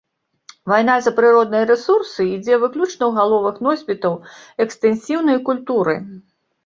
Вайна за прыродныя рэсурсы ідзе выключна ў галовах носьбітаў экстэнсіўнай культуры.